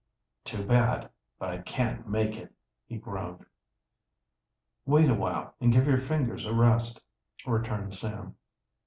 "Too bad, but I can't make it!" he groaned. "Wait a while and give your fingers a rest," returned Sam.